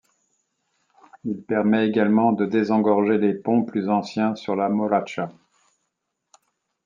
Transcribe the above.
Il permet également de désengorger les ponts plus anciens sur la Morača.